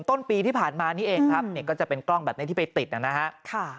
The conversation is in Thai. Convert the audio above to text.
ต้นปีที่ผ่านมานี่เองครับเนี่ยก็จะเป็นกล้องแบบนี้ที่ไปติดนะฮะ